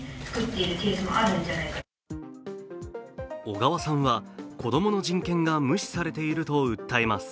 小川さんは子供の人権が無視されていると訴えます。